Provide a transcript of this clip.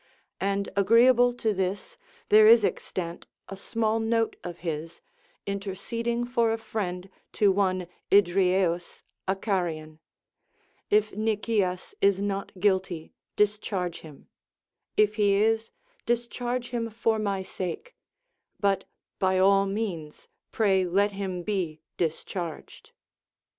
And agreeable to this, there is extant a sraall note of his, interceding for a friend to one Idrieus a Carian : If Nicias is not guilty, discharge him ; if he is, discharge him for my sake ; but by all means pray let him be discharged.